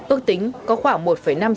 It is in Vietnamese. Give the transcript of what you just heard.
ước tính có khoảng một năm triệu đồng